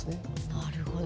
なるほど。